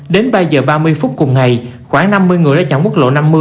đến ba h ba mươi phút cùng ngày khoảng năm mươi người ra chặng quốc lộ năm mươi